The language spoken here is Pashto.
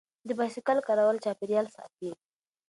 د بایسکل کارول چاپیریال ساتي.